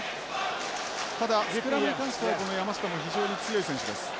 ただスクラムに関してはこの山下も非常に強い選手です。